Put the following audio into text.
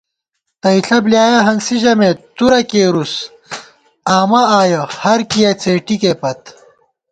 تئیݪہ بۡلیایَہ ہنسی ژَمېت ، تُرہ کېرُس آمہ آیَہ ہرکِیہ څېٹِکےپت